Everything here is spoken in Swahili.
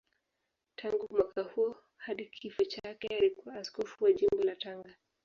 Tangu mwaka huo hadi kifo chake alikuwa askofu wa Jimbo la Tanga.